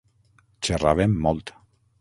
Xerràvem molt.